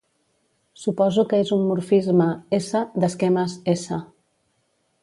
Suposo que és un morfisme "S" d'esquemes "S".